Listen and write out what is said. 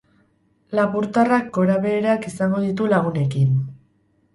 Lapurtarrak gorabeherak izango ditu lagunekin.